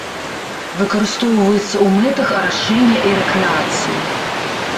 Выкарыстоўваецца ў мэтах арашэння і рэкрэацыі.